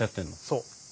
そう。